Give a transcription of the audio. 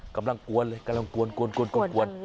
กำลังกวนเลยกำลังกวนกวนกวนกวนกวนกวน